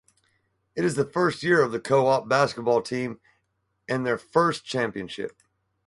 It is the first year of the co-op basketball team, and their first championship.